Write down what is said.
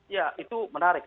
ya itu menarik